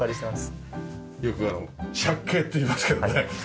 よくあの借景っていいますけどね。